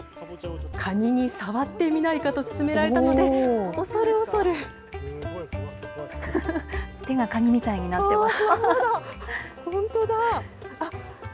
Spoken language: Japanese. カニに触ってみないかと勧められ手がカニみたいになってます。